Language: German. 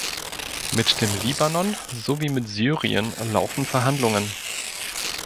Mit dem Libanon sowie mit Syrien laufen Verhandlungen.